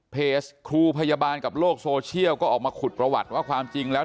เพจครูพยาบาลกับโลกโซเชียลก็ออกมาขุดประวัติว่าความจริงแล้ว